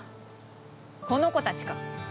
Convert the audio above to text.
この子たちか。